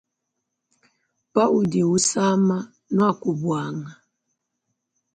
Pawudi usama nuaku buanga.